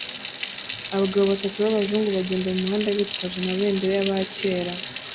abagabo batatu b'abazungu bagenda mumuhanda bitwaje amabendera y'abakera